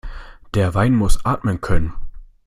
Der Wein muss atmen können.